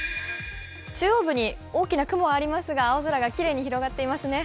中央部に大きな雲がありますが、青空がきれいに広がっていますね。